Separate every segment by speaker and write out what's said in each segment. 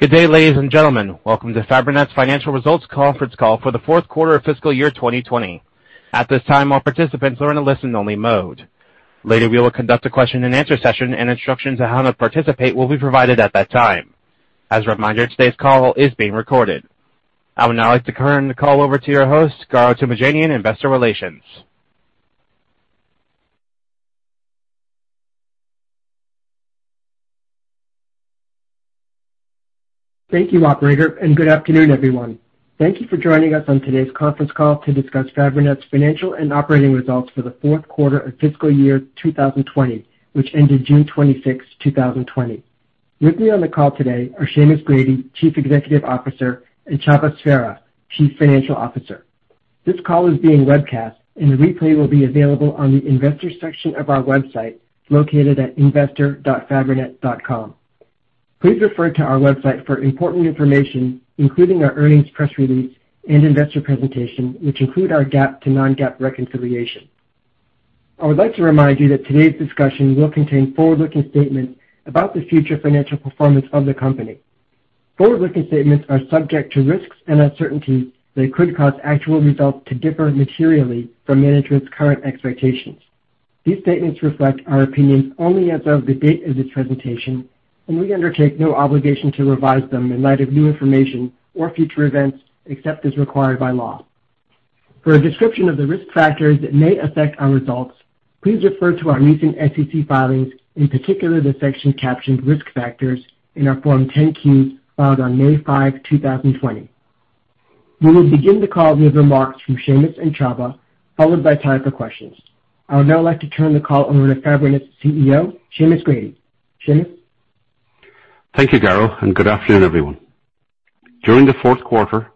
Speaker 1: Good day, ladies and gentlemen. Welcome to Fabrinet's financial results conference call for the Q4 of fiscal year 2020. At this time, all participants are in a listen-only mode. Later, we will conduct a question-and-answer session, and instructions on how to participate will be provided at that time. As a reminder, today's call is being recorded. I would now like to turn the call over to your host, Garo Toomajanian, Investor Relations.
Speaker 2: Thank you, operator. Good afternoon, everyone. Thank you for joining us on today's conference call to discuss Fabrinet's financial and operating results for the Q4 of fiscal year 2020, which ended June 26, 2020. With me on the call today are Seamus Grady, Chief Executive Officer, and Csaba Sverha, Chief Financial Officer. This call is being webcast, and the replay will be available on the investors section of our website, located at investor.fabrinet.com. Please refer to our website for important information, including our earnings press release and investor presentation, which include our GAAP to non-GAAP reconciliation. I would like to remind you that today's discussion will contain forward-looking statements about the future financial performance of the company. Forward-looking statements are subject to risks and uncertainties that could cause actual results to differ materially from management's current expectations. These statements reflect our opinions only as of the date of this presentation, and we undertake no obligation to revise them in light of new information or future events, except as required by law. For a description of the risk factors that may affect our results, please refer to our recent SEC filings, in particular the section captioned risk factors in our Form 10-Q, filed on May 5, 2020. We will begin the call with remarks from Seamus and Csaba, followed by time for questions. I would now like to turn the call over to Fabrinet's CEO, Seamus Grady. Seamus?
Speaker 3: Thank you, Garo. Good afternoon, everyone. During the Q4,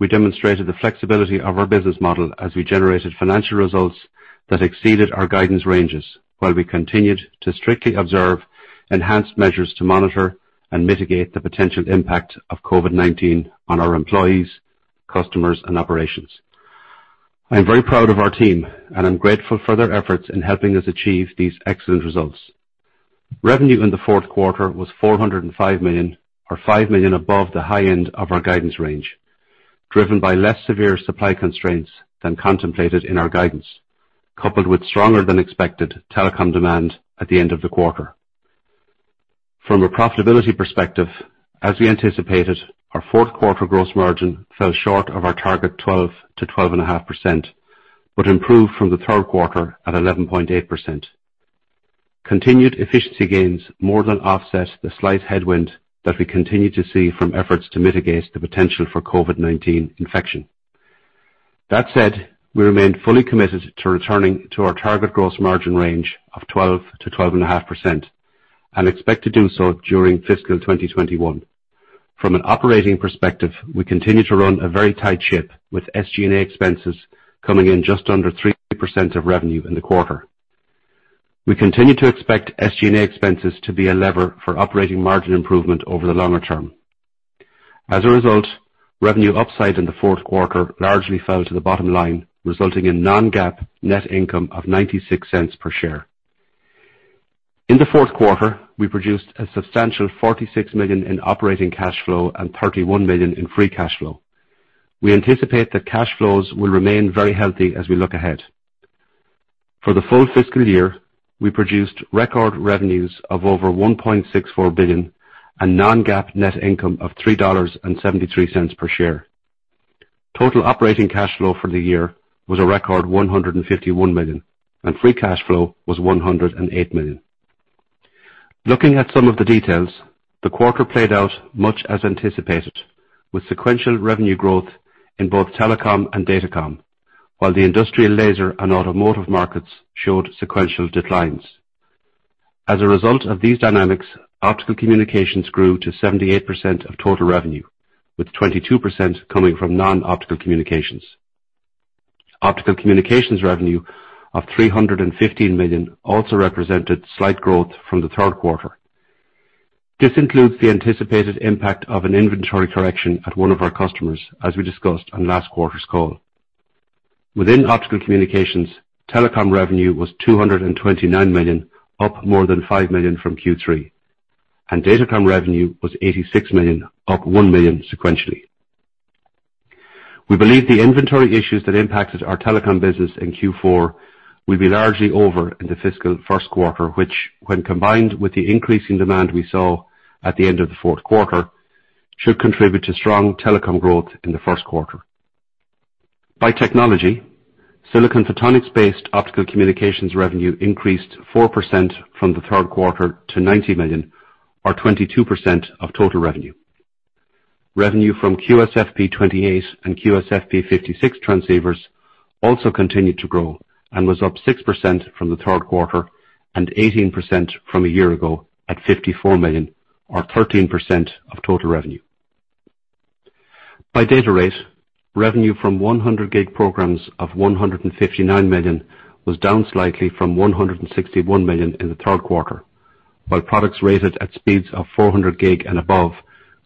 Speaker 3: we demonstrated the flexibility of our business model as we generated financial results that exceeded our guidance ranges while we continued to strictly observe enhanced measures to monitor and mitigate the potential impact of COVID-19 on our employees, customers, and operations. I am very proud of our team, and I'm grateful for their efforts in helping us achieve these excellent results. Revenue in the Q4 was $405 million, or $5 million above the high end of our guidance range, driven by less severe supply constraints than contemplated in our guidance, coupled with stronger than expected telecom demand at the end of the quarter. From a profitability perspective, as we anticipated, our Q4 gross margin fell short of our target 12%-12.5%, but improved from the Q3 at 11.8%. Continued efficiency gains more than offset the slight headwind that we continue to see from efforts to mitigate the potential for COVID-19 infection. That said, we remain fully committed to returning to our target gross margin range of 12%-12.5% and expect to do so during fiscal 2021. From an operating perspective, we continue to run a very tight ship with SG&A expenses coming in just under 3% of revenue in the quarter. We continue to expect SG&A expenses to be a lever for operating margin improvement over the longer term. Revenue upside in the Q4 largely fell to the bottom line, resulting in non-GAAP net income of $0.96 per share. In the Q4, we produced a substantial $46 million in operating cash flow and $31 million in free cash flow. We anticipate that cash flows will remain very healthy as we look ahead. For the full fiscal year, we produced record revenues of over $1.64 billion and non-GAAP net income of $3.73 per share. Total operating cash flow for the year was a record $151 million, and free cash flow was $108 million. Looking at some of the details, the quarter played out much as anticipated with sequential revenue growth in both Telecom and Datacom, while the industrial laser and automotive markets showed sequential declines. As a result of these dynamics, Optical Communications grew to 78% of total revenue, with 22% coming from non-Optical Communications. Optical Communications revenue of $315 million also represented slight growth from the Q3. This includes the anticipated impact of an inventory correction at one of our customers, as we discussed on last quarter's call. Within optical communications, telecom revenue was $229 million, up more than $5 million from Q3, and datacom revenue was $86 million, up $1 million sequentially. We believe the inventory issues that impacted our telecom business in Q4 will be largely over in the fiscal Q1, which when combined with the increasing demand we saw at the end of the Q4, should contribute to strong telecom growth in the Q1. By technology, silicon photonics-based optical communications revenue increased 4% from the Q3 to $90 million or 22% of total revenue. Revenue from QSFP28 and QSFP56 transceivers also continued to grow and was up 6% from the Q3 and 18% from a year ago at $54 million or 13% of total revenue. By data rate, revenue from 100G programs of $159 million was down slightly from $161 million in the Q3, while products rated at speeds of 400G and above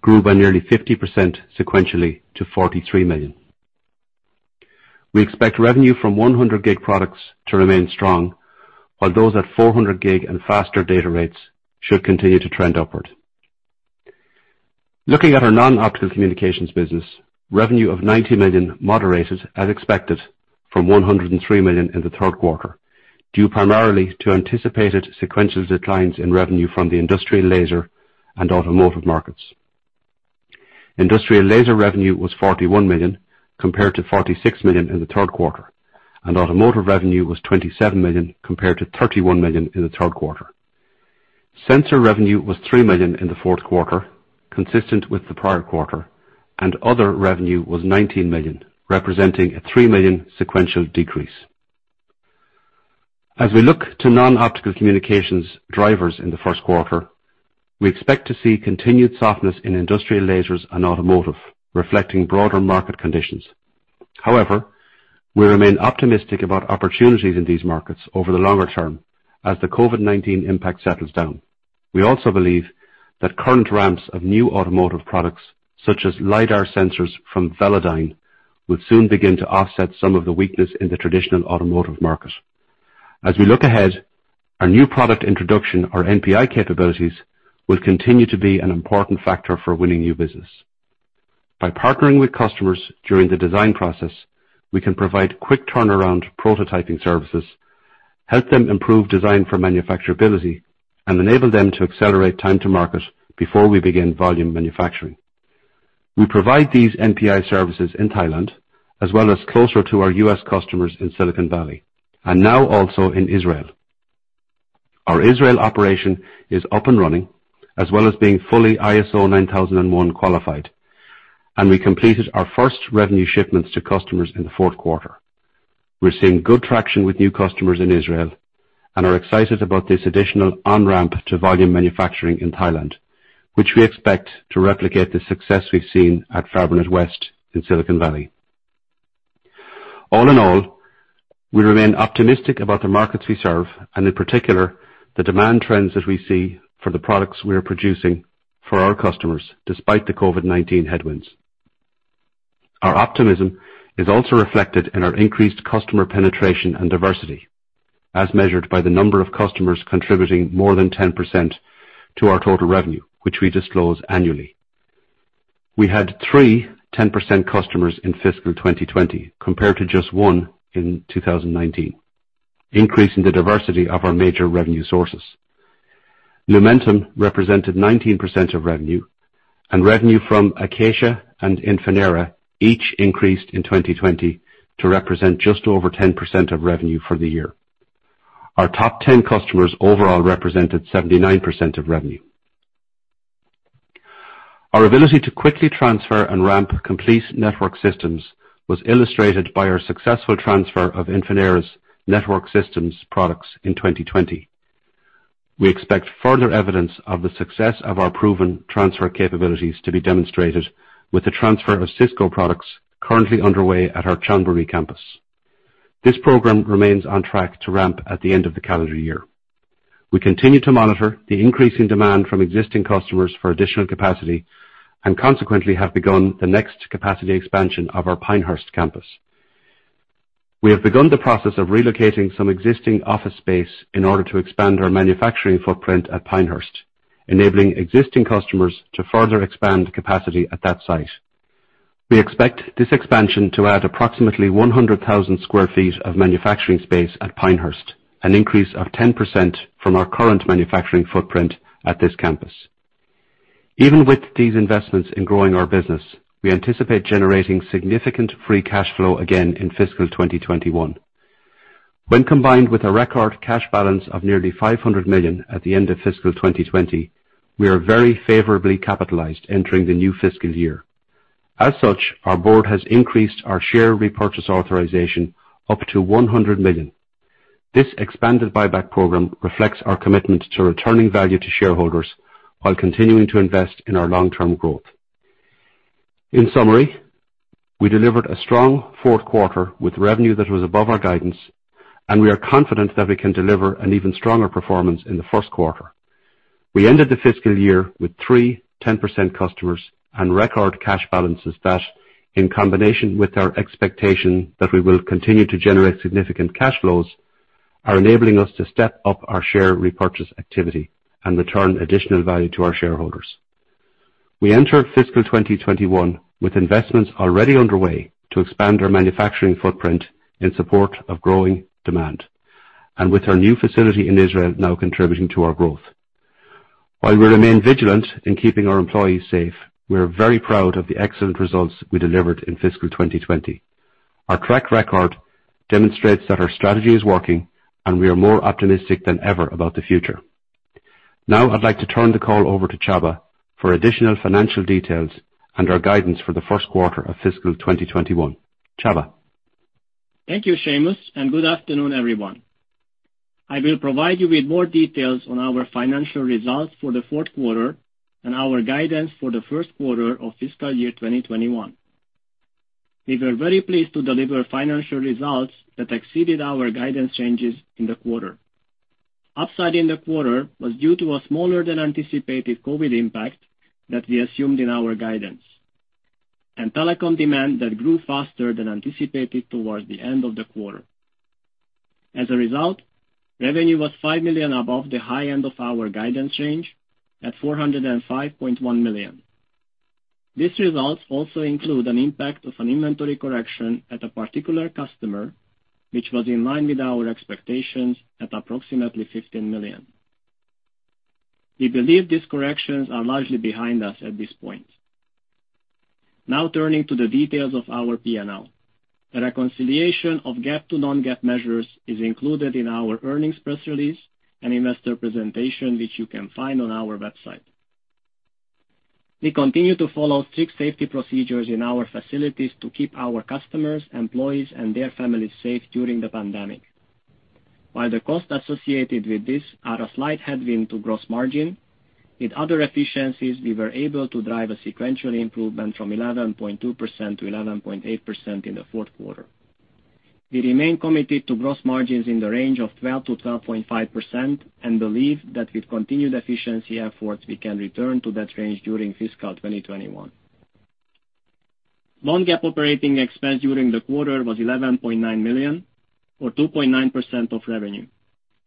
Speaker 3: grew by nearly 50% sequentially to $43 million. We expect revenue from 100G products to remain strong, while those at 400G and faster data rates should continue to trend upward. Looking at our non-Optical Communications business, revenue of $90 million moderated as expected from $103 million in the Q3, due primarily to anticipated sequential declines in revenue from the industrial laser and automotive markets. Industrial laser revenue was $41 million compared to $46 million in the Q3, and automotive revenue was $27 million compared to $31 million in the Q3. Sensor revenue was $3 million in the Q4, consistent with the prior quarter, and other revenue was $19 million, representing a $3 million sequential decrease. As we look to non-Optical Communications drivers in the Q1, we expect to see continued softness in industrial lasers and automotive, reflecting broader market conditions. However, we remain optimistic about opportunities in these markets over the longer term as the COVID-19 impact settles down. We also believe that current ramps of new automotive products, such as LIDAR sensors from Velodyne, will soon begin to offset some of the weakness in the traditional automotive market. As we look ahead, our new product introduction, or NPI capabilities, will continue to be an important factor for winning new business. By partnering with customers during the design process, we can provide quick turnaround prototyping services, help them improve design for manufacturability, and enable them to accelerate time to market before we begin volume manufacturing. We provide these NPI services in Thailand, as well as closer to our U.S. customers in Silicon Valley, and now also in Israel. Our Israel operation is up and running, as well as being fully ISO 9001 qualified, and we completed our first revenue shipments to customers in the Q4. We're seeing good traction with new customers in Israel and are excited about this additional on-ramp to volume manufacturing in Thailand, which we expect to replicate the success we've seen at Fabrinet West in Silicon Valley. All in all, we remain optimistic about the markets we serve and, in particular, the demand trends that we see for the products we are producing for our customers, despite the COVID-19 headwinds. Our optimism is also reflected in our increased customer penetration and diversity, as measured by the number of customers contributing more than 10% to our total revenue, which we disclose annually. We had three 10% customers in fiscal 2021 compared to just one in 2019, increasing the diversity of our major revenue sources. Lumentum represented 19% of revenue, and revenue from Acacia and Infinera each increased in 2020 to represent just over 10% of revenue for the year. Our top 10 customers overall represented 79% of revenue. Our ability to quickly transfer and ramp complete network systems was illustrated by our successful transfer of Infinera's network systems products in 2020. We expect further evidence of the success of our proven transfer capabilities to be demonstrated with the transfer of Cisco products currently underway at our Chonburi campus. This program remains on track to ramp at the end of the calendar year. We continue to monitor the increasing demand from existing customers for additional capacity and consequently have begun the next capacity expansion of our Pinehurst campus. We have begun the process of relocating some existing office space in order to expand our manufacturing footprint at Pinehurst, enabling existing customers to further expand capacity at that site. We expect this expansion to add approximately 100,000 square feet of manufacturing space at Pinehurst, an increase of 10% from our current manufacturing footprint at this campus. Even with these investments in growing our business, we anticipate generating significant free cash flow again in fiscal 2021. When combined with a record cash balance of nearly $500 million at the end of fiscal 2020, we are very favorably capitalized entering the new fiscal year. Our board has increased our share repurchase authorization up to $100 million. This expanded buyback program reflects our commitment to returning value to shareholders while continuing to invest in our long-term growth. We delivered a strong Q4 with revenue that was above our guidance, and we are confident that we can deliver an even stronger performance in the Q1. We ended the fiscal year with three 10% customers and record cash balances that, in combination with our expectation that we will continue to generate significant cash flows, are enabling us to step up our share repurchase activity and return additional value to our shareholders. We enter fiscal 2021 with investments already underway to expand our manufacturing footprint in support of growing demand and with our new facility in Israel now contributing to our growth. While we remain vigilant in keeping our employees safe, we are very proud of the excellent results we delivered in fiscal 2020. Our track record demonstrates that our strategy is working, and we are more optimistic than ever about the future. Now I'd like to turn the call over to Csaba for additional financial details and our guidance for the Q1 of fiscal 2021. Csaba?
Speaker 4: Thank you, Seamus, and good afternoon, everyone. I will provide you with more details on our financial results for the Q4 and our guidance for the Q1 of fiscal year 2021. We were very pleased to deliver financial results that exceeded our guidance ranges in the quarter. Upside in the quarter was due to a smaller than anticipated COVID impact that we assumed in our guidance, and telecom demand that grew faster than anticipated towards the end of the quarter. As a result, revenue was $5 million above the high end of our guidance range at $405.1 million. These results also include an impact of an inventory correction at a particular customer, which was in line with our expectations at approximately $15 million. We believe these corrections are largely behind us at this point. Now turning to the details of our P&L. A reconciliation of GAAP to non-GAAP measures is included in our earnings press release and investor presentation, which you can find on our website. We continue to follow strict safety procedures in our facilities to keep our customers, employees, and their families safe during the pandemic. While the costs associated with this are a slight headwind to gross margin, with other efficiencies, we were able to drive a sequential improvement from 11.2%-11.8% in the Q4. We remain committed to gross margins in the range of 12%-12.5% and believe that with continued efficiency efforts, we can return to that range during fiscal 2021. Non-GAAP operating expense during the quarter was $11.9 million or 2.9% of revenue,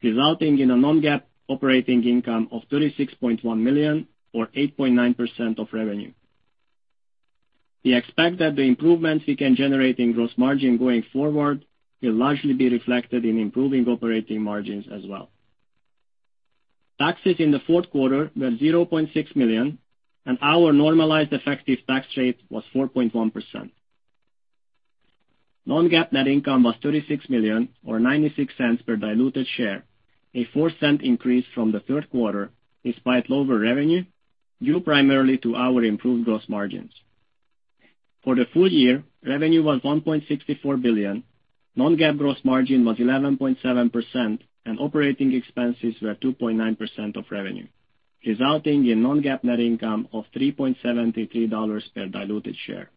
Speaker 4: resulting in a non-GAAP operating income of $36.1 million or 8.9% of revenue. We expect that the improvement we can generate in gross margin going forward will largely be reflected in improving operating margins as well. Taxes in the Q4 were $0.6 million, our normalized effective tax rate was 4.1%. Non-GAAP net income was $36 million or $0.96 per diluted share, a $0.04 increase from the Q3 despite lower revenue, due primarily to our improved gross margins. For the full year, revenue was $1.64 billion, non-GAAP gross margin was 11.7%, operating expenses were 2.9% of revenue, resulting in non-GAAP net income of $3.73 per diluted share.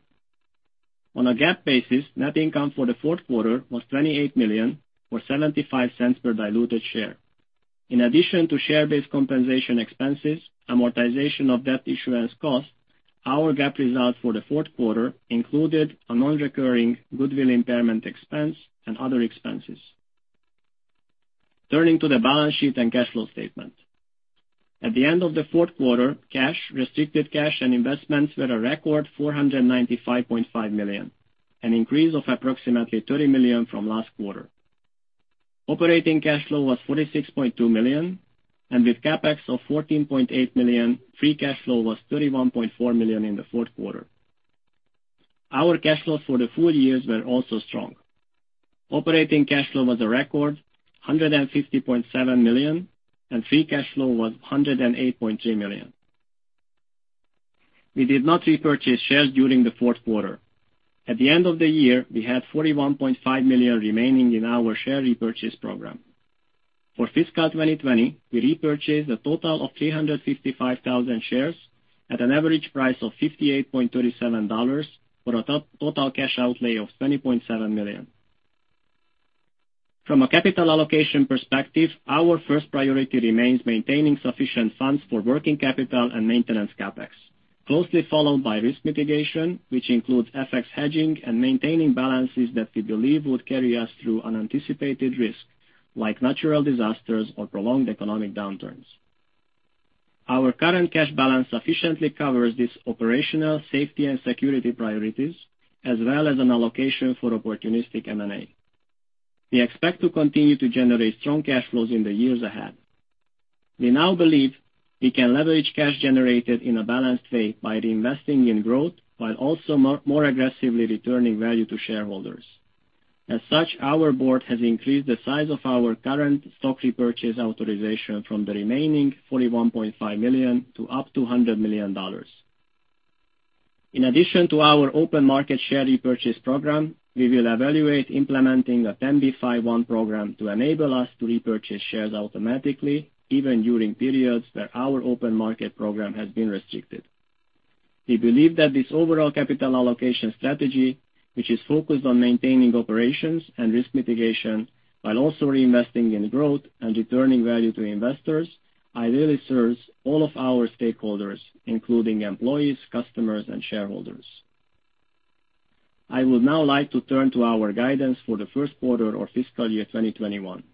Speaker 4: On a GAAP basis, net income for the Q4 was $28 million or $0.75 per diluted share. In addition to share-based compensation expenses, amortization of debt issuance cost, our GAAP results for the Q4 included a non-recurring goodwill impairment expense and other expenses. Turning to the balance sheet and cash flow statement. At the end of the Q4, cash, restricted cash, and investments were a record $495.5 million, an increase of approximately $30 million from last quarter. Operating cash flow was $46.2 million, and with CapEx of $14.8 million, free cash flow was $31.4 million in the Q4. Our cash flows for the full years were also strong. Operating cash flow was a record $150.7 million, and free cash flow was $108.3 million. We did not repurchase shares during the Q4. At the end of the year, we had $41.5 million remaining in our share repurchase program. For fiscal 2020, we repurchased a total of 355,000 shares at an average price of $58.37, for a total cash outlay of $20.7 million. From a capital allocation perspective, our first priority remains maintaining sufficient funds for working capital and maintenance CapEx, closely followed by risk mitigation, which includes FX hedging and maintaining balances that we believe would carry us through unanticipated risk, like natural disasters or prolonged economic downturns. Our current cash balance sufficiently covers these operational safety and security priorities, as well as an allocation for opportunistic M&A. We expect to continue to generate strong cash flows in the years ahead. We now believe we can leverage cash generated in a balanced way by reinvesting in growth while also more aggressively returning value to shareholders. As such, our board has increased the size of our current stock repurchase authorization from the remaining $41.5 million to up to $100 million. In addition to our open market share repurchase program, we will evaluate implementing a 10b5-1 program to enable us to repurchase shares automatically even during periods where our open market program has been restricted. We believe that this overall capital allocation strategy, which is focused on maintaining operations and risk mitigation while also reinvesting in growth and returning value to investors, ideally serves all of our stakeholders, including employees, customers, and shareholders. I would now like to turn to our guidance for the Q1 of fiscal year 2021.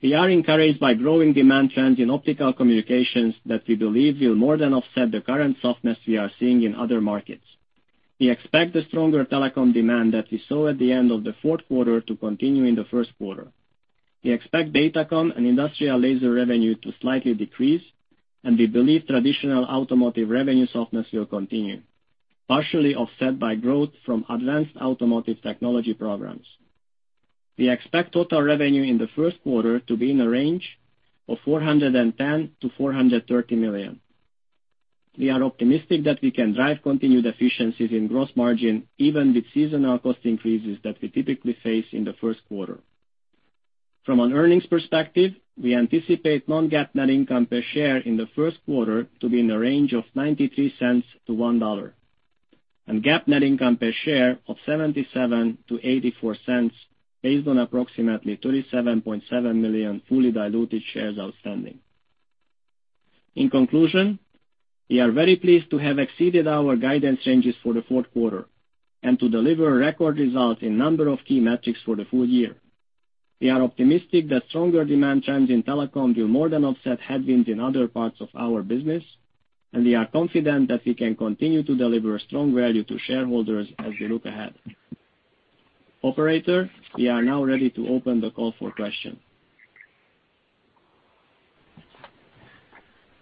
Speaker 4: We are encouraged by growing demand trends in Optical Communications that we believe will more than offset the current softness we are seeing in other markets. We expect the stronger Telecom demand that we saw at the end of the Q4 to continue in the Q1. We expect Datacom and industrial laser revenue to slightly decrease. We believe traditional automotive revenue softness will continue, partially offset by growth from advanced automotive technology programs. We expect total revenue in the Q1 to be in the range of $410 million-$430 million. We are optimistic that we can drive continued efficiencies in gross margin, even with seasonal cost increases that we typically face in the Q1. From an earnings perspective, we anticipate non-GAAP net income per share in the Q1 to be in the range of $0.93-$1.00. GAAP net income per share of $0.77-$0.84 based on approximately 37.7 million fully diluted shares outstanding. In conclusion, we are very pleased to have exceeded our guidance ranges for the Q4 and to deliver record results in number of key metrics for the full year. We are optimistic that stronger demand trends in Telecom will more than offset headwinds in other parts of our business. We are confident that we can continue to deliver strong value to shareholders as we look ahead. Operator, we are now ready to open the call for question.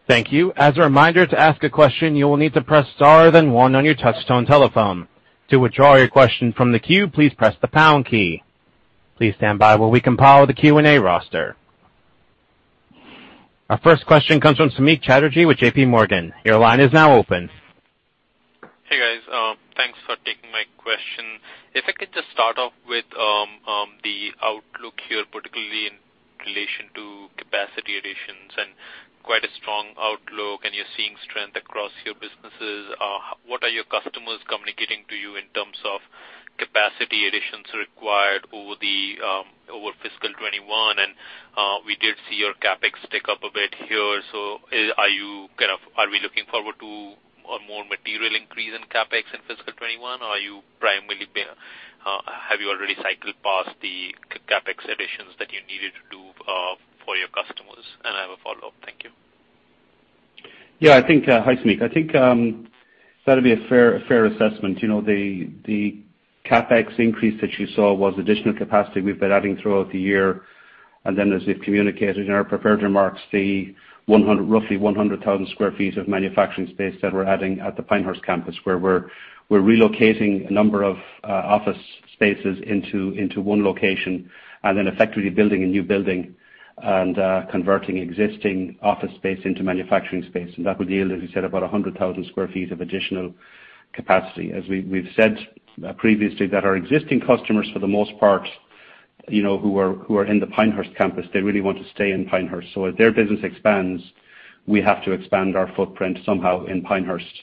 Speaker 1: Thank you. As a reminder, to ask a question you will need to press star then one on your touch-tone telephone. To withdraw your question from the queue, please press the pound key. Please stand by while we compile the Q&A roster. Our first question comes from Samik Chatterjee with J.P. Morgan. Your line is now open.
Speaker 5: Hey, guys. Thanks for taking my question. If I could just start off with the outlook here, particularly in relation to capacity additions and quite a strong outlook, and you're seeing strength across your businesses. What are your customers communicating to you in terms of capacity additions required over fiscal 2021? We did see your CapEx tick up a bit here. Are we looking forward to a more material increase in CapEx in fiscal 2021, or have you already cycled past the CapEx additions that you needed to do for your customers? I have a follow-up. Thank you.
Speaker 3: Yeah. Hi, Samik. I think that'd be a fair assessment. The CapEx increase that you saw was additional capacity we've been adding throughout the year, as we've communicated in our prepared remarks, the roughly 100,000 sq ft of manufacturing space that we're adding at the Pinehurst campus, where we're relocating a number of office spaces into one location and then effectively building a new building and converting existing office space into manufacturing space. That would yield, as you said, about 100,000 sq ft of additional capacity. As we've said previously, that our existing customers, for the most part, who are in the Pinehurst campus, they really want to stay in Pinehurst. As their business expands, we have to expand our footprint somehow in Pinehurst,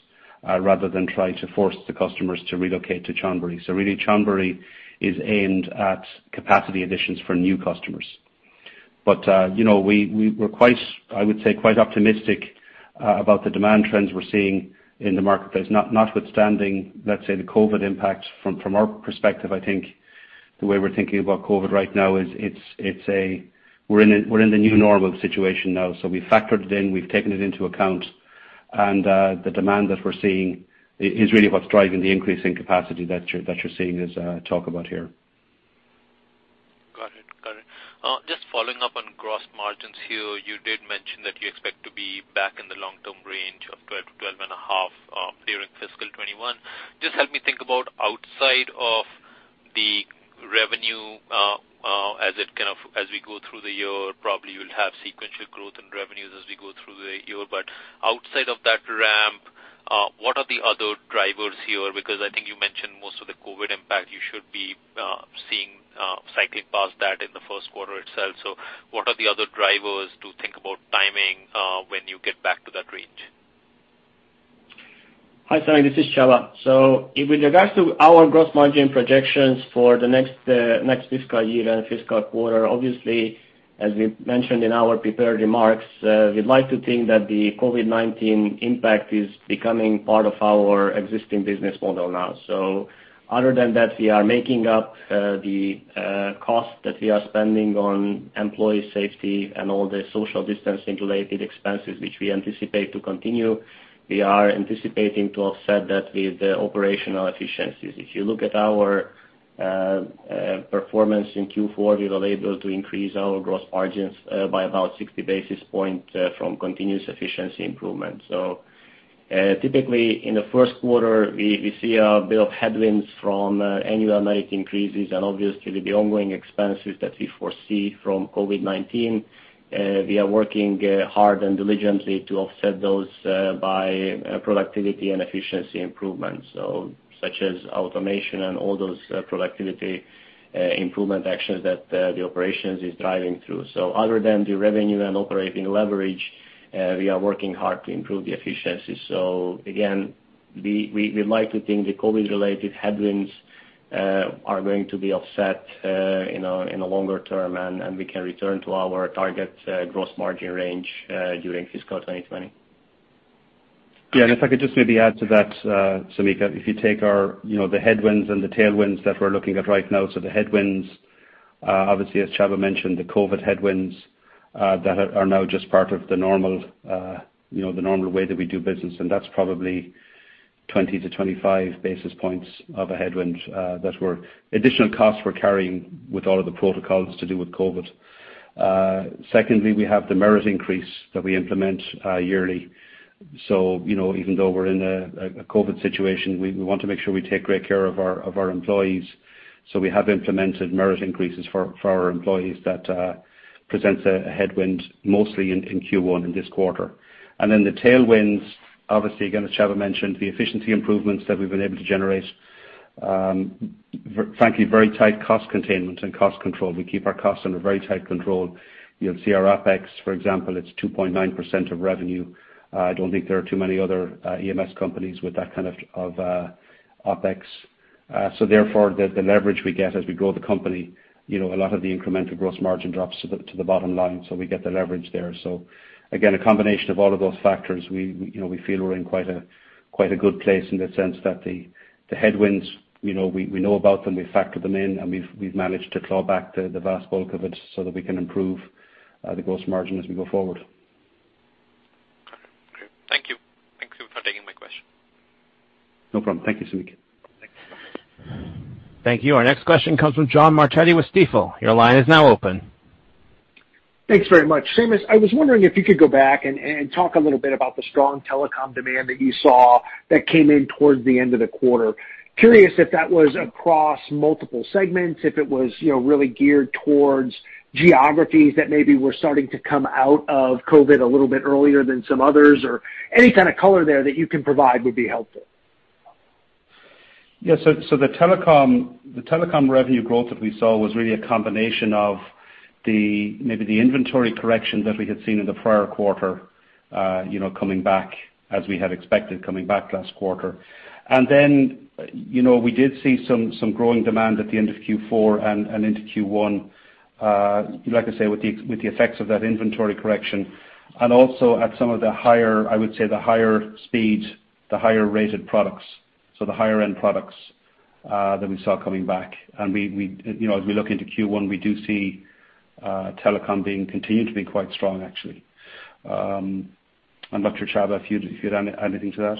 Speaker 3: rather than try to force the customers to relocate to Chonburi. Really, Chonburi is aimed at capacity additions for new customers. We were, I would say, quite optimistic about the demand trends we're seeing in the marketplace, notwithstanding, let's say, the COVID impacts from our perspective. I think the way we're thinking about COVID right now is we're in the new normal situation now. We've factored it in, we've taken it into account, and the demand that we're seeing is really what's driving the increase in capacity that you're seeing us talk about here.
Speaker 5: Got it. Just following up on gross margins here, you did mention that you expect to be back in the long-term range of 12%-12.5% during fiscal 2021. Just help me think about outside of the revenue as we go through the year, probably you'll have sequential growth in revenues as we go through the year. Outside of that ramp, what are the other drivers here? Because I think you mentioned most of the COVID-19 impact you should be seeing cycling past that in the Q1 itself. What are the other drivers to think about timing when you get back to that range?
Speaker 4: Hi, Samik. This is Csaba. With regards to our gross margin projections for the next fiscal year and fiscal quarter, obviously, as we mentioned in our prepared remarks, we'd like to think that the COVID-19 impact is becoming part of our existing business model now. Other than that, we are making up the cost that we are spending on employee safety and all the social distancing-related expenses, which we anticipate to continue. We are anticipating to offset that with operational efficiencies. If you look at our performance in Q4, we were able to increase our gross margins by about 60 basis points from continuous efficiency improvement. Typically, in the Q1, we see a bit of headwinds from annual merit increases and obviously the ongoing expenses that we foresee from COVID-19. We are working hard and diligently to offset those by productivity and efficiency improvements. Such as automation and all those productivity improvement actions that the operations is driving through. Other than the revenue and operating leverage, we are working hard to improve the efficiency. Again, we like to think the COVID-related headwinds are going to be offset in the longer term, and we can return to our target gross margin range during fiscal 2020.
Speaker 3: Yeah. If I could just maybe add to that, Samik. If you take the headwinds and the tailwinds that we're looking at right now. The headwinds, obviously, as Csaba mentioned, the COVID headwinds that are now just part of the normal way that we do business, and that's probably 20-25 basis points of a headwind that were additional costs we're carrying with all of the protocols to do with COVID. Secondly, we have the merit increase that we implement yearly. Even though we're in a COVID situation, we want to make sure we take great care of our employees. We have implemented merit increases for our employees that presents a headwind mostly in Q1 in this quarter. The tailwinds, obviously, again, as Csaba mentioned, the efficiency improvements that we've been able to generate. Frankly, very tight cost containment and cost control. We keep our costs under very tight control. You'll see our OPEX, for example, it's 2.9% of revenue. I don't think there are too many other EMS companies with that kind of OpEx. Therefore, the leverage we get as we grow the company, a lot of the incremental gross margin drops to the bottom line, so we get the leverage there. Again, a combination of all of those factors, we feel we're in quite a good place in the sense that the headwinds, we know about them, we factor them in, and we've managed to claw back the vast bulk of it so that we can improve the gross margin as we go forward.
Speaker 5: Okay. Thank you. Thank you for taking my question.
Speaker 3: No problem. Thank you, Samik.
Speaker 5: Thank you.
Speaker 1: Thank you. Our next question comes from John Marchetti with Stifel. Your line is now open.
Speaker 6: Thanks very much. Seamus, I was wondering if you could go back and talk a little bit about the strong Telecom demand that you saw that came in towards the end of the quarter. Curious if that was across multiple segments, if it was really geared towards geographies that maybe were starting to come out of COVID a little bit earlier than some others, or any kind of color there that you can provide would be helpful.
Speaker 3: Yeah. The telecom revenue growth that we saw was really a combination of maybe the inventory correction that we had seen in the prior quarter coming back as we had expected coming back last quarter. We did see some growing demand at the end of Q4 and into Q1. Like I say, with the effects of that inventory correction, and also at some of the higher, I would say, the higher speeds, the higher rated products, so the higher-end products, that we saw coming back. As we look into Q1, we do see telecom continuing to be quite strong, actually. Dr. Csaba, if you'd add anything to that.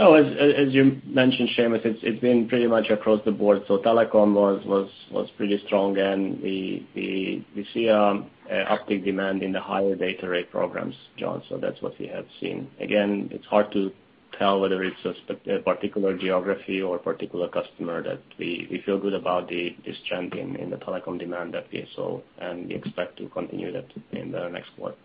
Speaker 4: As you mentioned, Seamus, it's been pretty much across the board. Telecom was pretty strong, and we see an uptick demand in the higher data rate programs, John, so that's what we have seen. Again, it's hard to tell whether it's a particular geography or a particular customer that we feel good about this trend in the telecom demand that we saw, and we expect to continue that in the next quarter.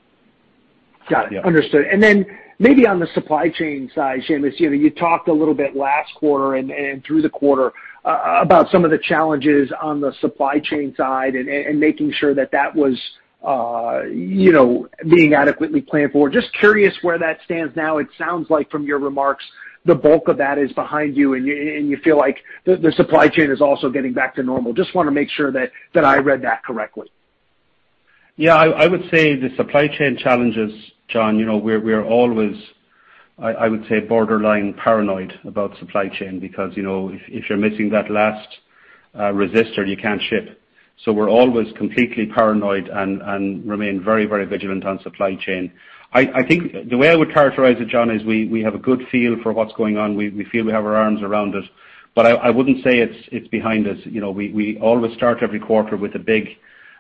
Speaker 6: Got it. Understood. Then maybe on the supply chain side, Seamus, you talked a little bit last quarter and through the quarter about some of the challenges on the supply chain side and making sure that that was being adequately planned for. Just curious where that stands now. It sounds like from your remarks, the bulk of that is behind you, and you feel like the supply chain is also getting back to normal. Just want to make sure that I read that correctly.
Speaker 3: Yeah, I would say the supply chain challenges, John, we're always, I would say, borderline paranoid about supply chain because, if you're missing that last resistor, you can't ship. We're always completely paranoid and remain very vigilant on supply chain. I think the way I would characterize it, John, is we have a good feel for what's going on. We feel we have our arms around it, I wouldn't say it's behind us. We always start every quarter with a big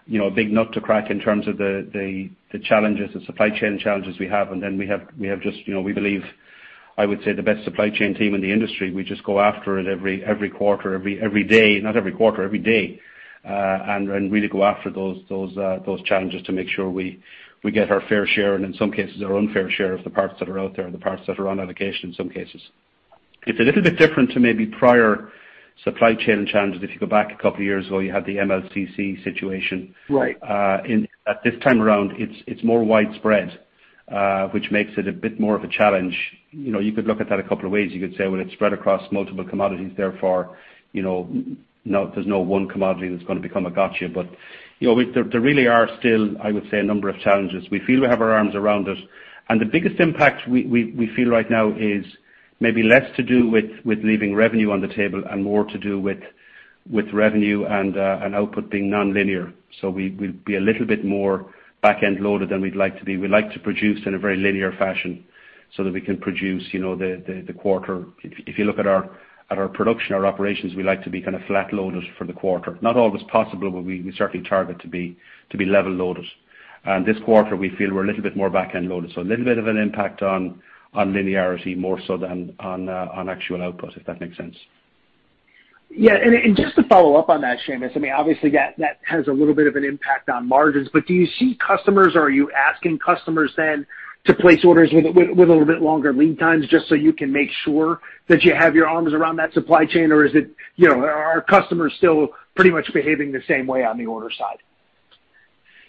Speaker 3: nut to crack in terms of the supply chain challenges we have. We have, we believe, I would say, the best supply chain team in the industry. We just go after it every quarter, every day, not every quarter, every day, and really go after those challenges to make sure we get our fair share, and in some cases, our unfair share of the parts that are out there or the parts that are on allocation in some cases. It's a little bit different to maybe prior supply chain challenges. If you go back a couple of years ago, you had the MLCC situation.
Speaker 6: Right.
Speaker 3: At this time around, it's more widespread, which makes it a bit more of a challenge. You could look at that a couple of ways. You could say, "Well, it's spread across multiple commodities, therefore there's no one commodity that's going to become a gotcha." There really are still, I would say, a number of challenges. We feel we have our arms around it. The biggest impact we feel right now is maybe less to do with leaving revenue on the table and more to do with revenue and output being nonlinear. We'll be a little bit more back-end loaded than we'd like to be. We like to produce in a very linear fashion so that we can produce the quarter. If you look at our production, our operations, we like to be kind of flat loaded for the quarter.
Speaker 6: Not always possible, but we certainly target to be level loaded. This quarter, we feel we're a little bit more back-end loaded. A little bit of an impact on linearity, more so than on actual output, if that makes sense.
Speaker 3: Yeah. Just to follow-up on that, Seamus, obviously that has a little bit of an impact on margins, but do you see customers, or are you asking customers then to place orders with a little bit longer lead times just so you can make sure that you have your arms around that supply chain, or are customers still pretty much behaving the same way on the order side?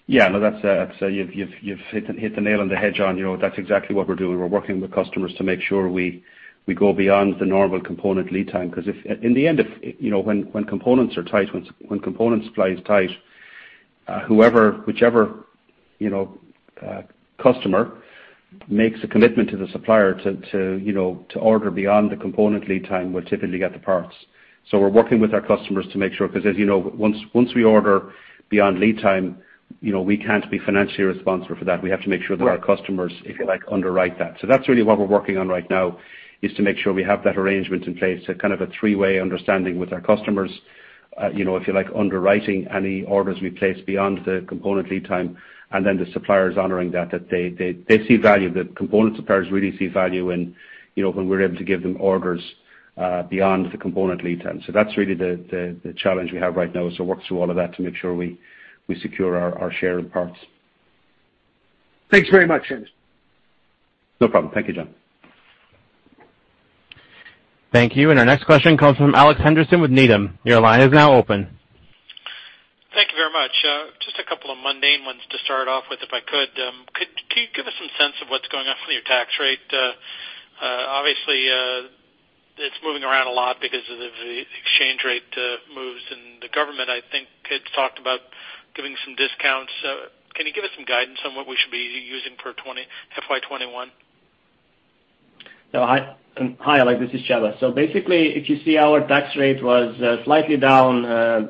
Speaker 6: Yeah, no, you've hit the nail on the head, John. That's exactly what we're doing. We're working with customers to make sure we go beyond the normal component lead time because if in the end, when component supply is tight, whichever customer makes a commitment to the supplier to order beyond the component lead time will typically get the parts. We're working with our customers to make sure, because as you know, once we order beyond lead time, we can't be financially responsible for that. We have to make sure that.
Speaker 3: Right
Speaker 6: Our customers, if you like, underwrite that. That's really what we're working on right now, is to make sure we have that arrangement in place, a kind of a three-way understanding with our customers. If you like, underwriting any orders we place beyond the component lead time, the suppliers honoring that. They see value, the component suppliers really see value in when we're able to give them orders beyond the component lead time. That's really the challenge we have right now, is to work through all of that to make sure we secure our share of parts.
Speaker 3: Thanks very much, Seamus.
Speaker 1: No problem. Thank you, John. Thank you. Our next question comes from Alex Henderson with Needham. Your line is now open.
Speaker 4: Thank you very much. Just a couple of mundane ones to start off with, if I could. Can you give us some sense of what's going on with your tax rate? Obviously, it's moving around a lot because of the exchange rate moves and the government, I think, had talked about giving some discounts. Can you give us some guidance on what we should be using for FY 2021?
Speaker 7: Hi, Alex. This is Csaba. Basically, if you see our tax rate was slightly down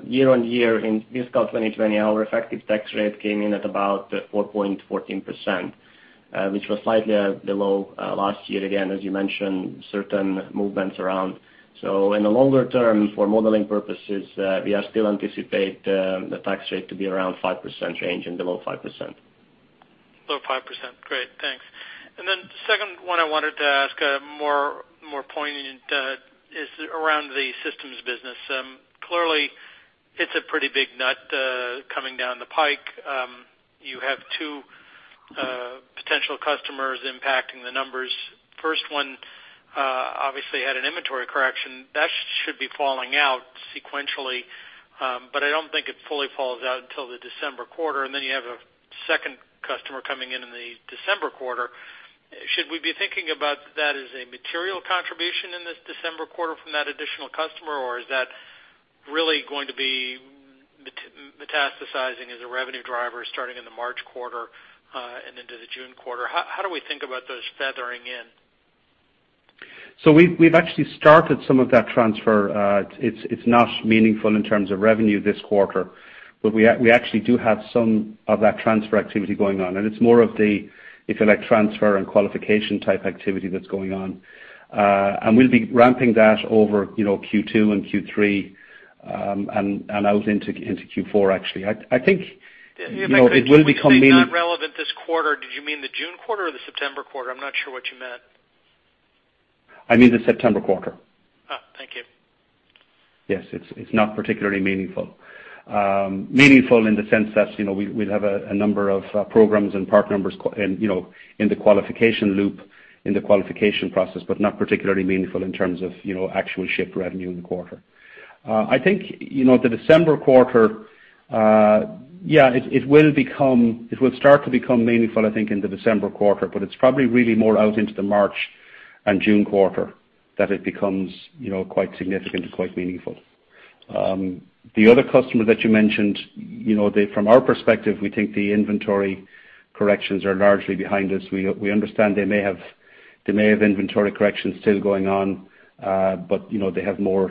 Speaker 7: year-over-year in fiscal 2020. Our effective tax rate came in at about 4.14%, which was slightly below last year. Again, as you mentioned, certain movements around. In the longer-term, for modeling purposes, we still anticipate the tax rate to be around 5% range and below 5%.
Speaker 3: Below 5%. Great. Thanks. The second one I wanted to ask, more poignant, is around the systems business. Clearly it's a pretty big nut coming down the pike. You have two potential customers impacting the numbers. First one, obviously had an inventory correction. That should be falling out sequentially, but I don't think it fully falls out until the December quarter. You have a second customer coming in in the December quarter. Should we be thinking about that as a material contribution in this December quarter from that additional customer, or is that really going to be material as a revenue driver starting in the March quarter, and into the June quarter? How do we think about those feathering in?
Speaker 7: We've actually started some of that transfer. It's not meaningful in terms of revenue this quarter, but we actually do have some of that transfer activity going on, and it's more of the, if you like, transfer and qualification type activity that's going on. We'll be ramping that over Q2 and Q3, and out into Q4, actually.
Speaker 3: If I could, when you say not relevant this quarter, did you mean the June quarter or the September quarter? I am not sure what you meant.
Speaker 7: I mean the September quarter.
Speaker 3: Oh. Thank you. Yes. It's not particularly meaningful. Meaningful in the sense that we'd have a number of programs and part numbers in the qualification loop, in the qualification process, but not particularly meaningful in terms of actual shipped revenue in the quarter. I think, the December quarter, yeah, it will start to become meaningful, I think, in the December quarter, but it's probably really more out into the March and June quarter that it becomes quite significant and quite meaningful. The other customer that you mentioned, from our perspective, we think the inventory corrections are largely behind us. We understand they may have inventory corrections still going on, but they have more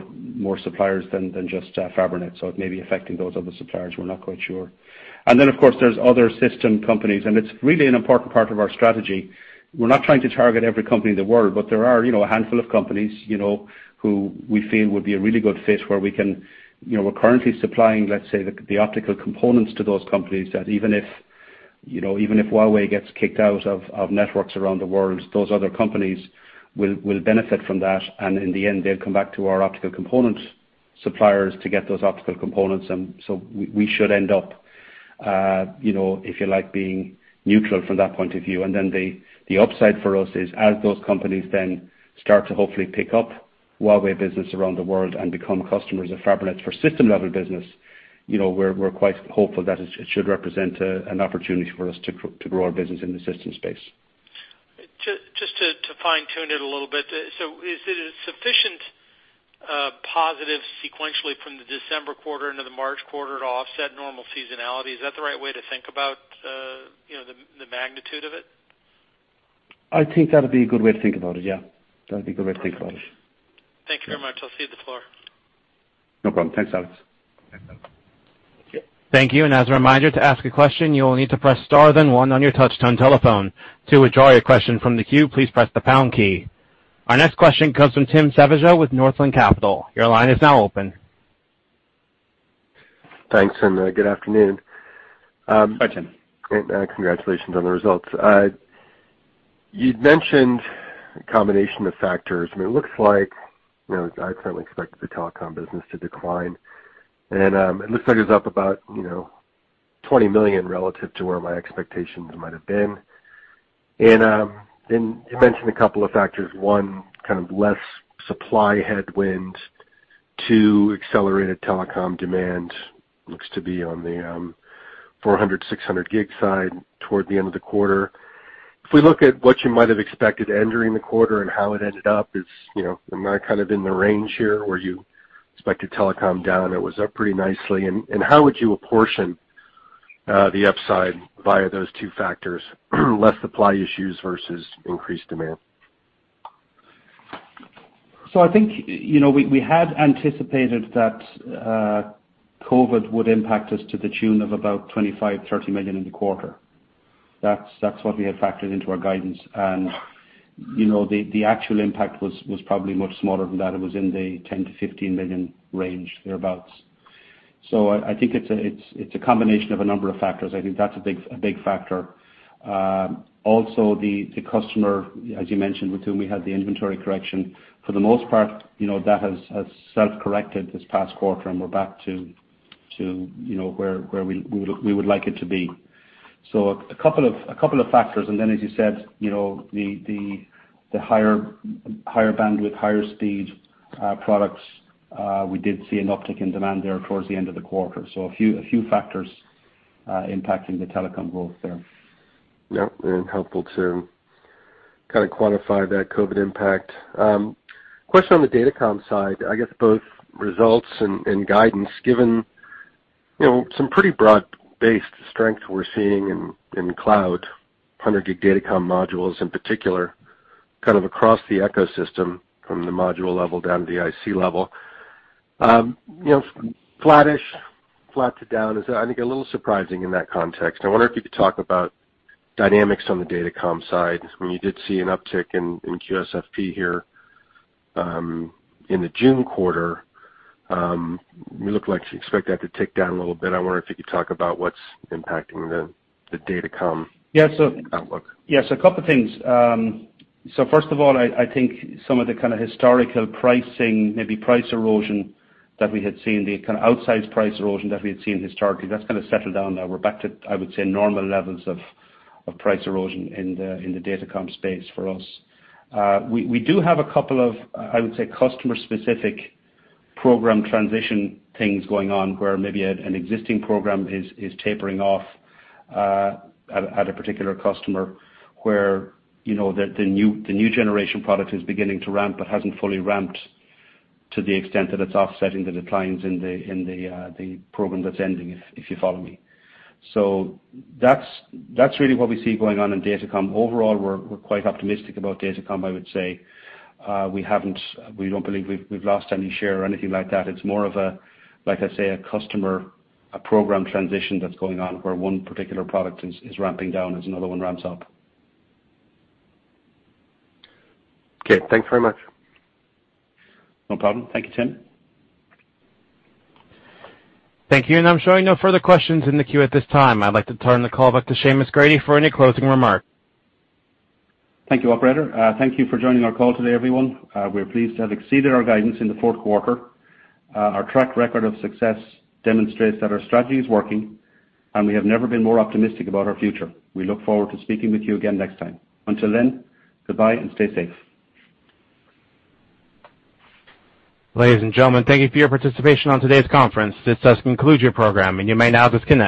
Speaker 3: suppliers than just Fabrinet. It may be affecting those other suppliers, we're not quite sure. Of course, there's other system companies, and it's really an important part of our strategy.
Speaker 7: We're not trying to target every company in the world, but there are a handful of companies who we feel would be a really good fit where we're currently supplying, let's say, the optical components to those companies, that even if Huawei gets kicked out of networks around the world, those other companies will benefit from that. In the end, they'll come back to our optical component suppliers to get those optical components. We should end up, if you like, being neutral from that point of view. Then the upside for us is as those companies then start to hopefully pick up Huawei business around the world and become customers of Fabrinet for system-level business, we're quite hopeful that it should represent an opportunity for us to grow our business in the systems space.
Speaker 3: Just to fine-tune it a little bit. Is it a sufficient positive sequentially from the December quarter into the March quarter to offset normal seasonality? Is that the right way to think about the magnitude of it?
Speaker 7: I think that'd be a good way to think about it, yeah. That'd be a good way to think about it.
Speaker 3: Thank you very much. I'll cede the floor.
Speaker 1: No problem. Thanks, Alex. Thank you. As a reminder, to ask a question, you will need to press star then one on your touch-tone telephone. To withdraw your question from the queue, please press the pound key. Our next question comes from Tim Savageaux with Northland Capital. Your line is now open.
Speaker 3: Thanks, and good afternoon. Hi, Tim. Congratulations on the results. You'd mentioned a combination of factors, and it looks like, I certainly expected the Telecom business to decline, and it looks like it's up about $20 million relative to where my expectations might have been. You mentioned a couple of factors. One, kind of less supply headwinds. Two, accelerated Telecom demand looks to be on the 400G, 600G side toward the end of the quarter. If we look at what you might have expected entering the quarter and how it ended up, am I kind of in the range here where you expected telecom down? It was up pretty nicely. How would you apportion the upside via those two factors, less supply issues versus increased demand?
Speaker 8: I think we had anticipated that COVID would impact us to the tune of about $25 million, $30 million in the quarter. That's what we had factored into our guidance. The actual impact was probably much smaller than that. It was in the $10 million-$15 million range, thereabouts. I think it's a combination of a number of factors. I think that's a big factor. Also, the customer, as you mentioned, with whom we had the inventory correction, for the most part, that has self-corrected this past quarter, and we're back to where we would like it to be. A couple of factors. Then as you said, the higher bandwidth, higher speed products, we did see an uptick in demand there towards the end of the quarter. A few factors impacting the telecom growth there.
Speaker 3: Yep, helpful to kind of quantify that COVID impact. Question on the Datacom side, I guess both results and guidance given some pretty broad-based strength we're seeing in cloud, 100G Datacom modules in particular, kind of across the ecosystem from the module level down to the IC level. Flattish, flat to down is, I think, a little surprising in that context. I wonder if you could talk about dynamics on the Datacom side. I mean, you did see an uptick in QSFP here, in the June quarter. You look like you expect that to tick down a little bit. I wonder if you could talk about what's impacting the Datacom outlook. A couple things. First of all, I think some of the kind of historical pricing, maybe price erosion that we had seen, the kind of outsized price erosion that we had seen historically, that's kind of settled down now. We're back to, I would say, normal levels of price erosion in the Datacom space for us. We do have a couple of, I would say, customer-specific program transition things going on where maybe an existing program is tapering off at a particular customer where the new generation product is beginning to ramp but hasn't fully ramped to the extent that it's offsetting the declines in the program that's ending, if you follow me. That's really what we see going on in Datacom. Overall, we're quite optimistic about Datacom, I would say. We don't believe we've lost any share or anything like that.
Speaker 8: It's more of a, like I say, a customer, a program transition that's going on where one particular product is ramping down as another one ramps up.
Speaker 3: Okay, thanks very much.
Speaker 1: No problem. Thank you, Tim. Thank you. I'm showing no further questions in the queue at this time. I'd like to turn the call back to Seamus Grady for any closing remarks.
Speaker 3: Thank you, operator. Thank you for joining our call today, everyone. We're pleased to have exceeded our guidance in the Q4. Our track record of success demonstrates that our strategy is working, and we have never been more optimistic about our future. We look forward to speaking with you again next time. Until then, goodbye and stay safe.
Speaker 1: Ladies and gentlemen, thank you for your participation on today's conference. This does conclude your program, and you may now disconnect.